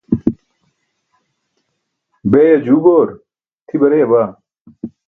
beeya, juu goor, tʰi bareya baa.